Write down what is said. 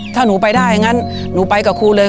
ถ้าหนูไปได้อย่างนั้นหนูไปกับครูเลย